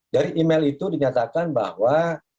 dari email itu dinyatakan bahwa